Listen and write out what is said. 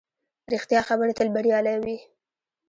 ریښتیا خبرې تل بریالۍ وي